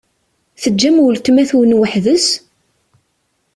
Teǧǧam weltma-twen weḥd-s?